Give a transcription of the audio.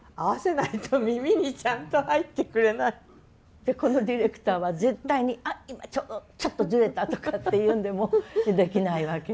でこのディレクターは絶対に「あっ今ちょっとずれた」とかって言うんでもうできないわけね。